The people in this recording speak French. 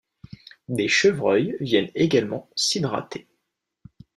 Des chevreuils viennent également s'hydrater.